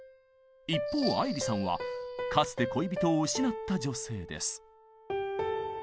一方愛理さんはかつて恋人を失った女性です。